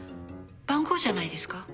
番号じゃないですか？